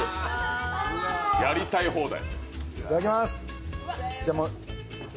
やりたい放題。